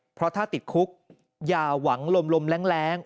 เพราะถ้าติดคุกอย่าหวังลมแรง